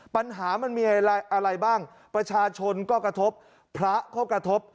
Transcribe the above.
ปัญหามันมีอะไรบ้างประชาชนก็กระทบพระก็กระทบ